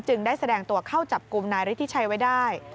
ได้แสดงตัวเข้าจับกลุ่มนายฤทธิชัยไว้ได้